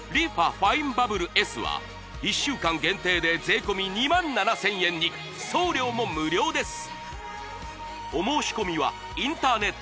ファインバブルＳは１週間限定で税込２万７０００円に送料も無料です